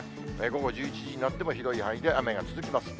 午後１１時になっても、広い範囲で雨の範囲が続きます。